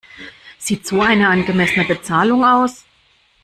Sieht so eine angemessene Bezahlung aus?